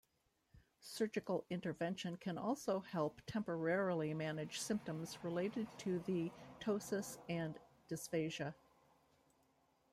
Surgical intervention can also help temporarily manage symptoms related to the ptosis and dysphagia.